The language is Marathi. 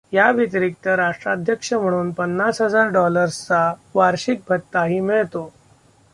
याव्यतिरिक्त राष्ट्राध्यक्ष म्हणून पन्नास हजार डॉलर्सचा वार्षिक भत्ताही मिळतो.